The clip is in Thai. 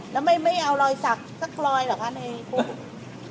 แล้วไม่เอารอยสักสักรอยเหรอคะในคุก